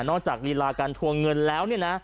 จากลีลาการทวงเงินแล้วเนี่ยนะ